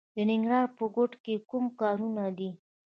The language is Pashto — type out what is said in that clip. د ننګرهار په کوټ کې کوم کانونه دي؟